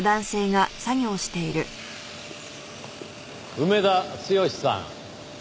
梅田剛さん。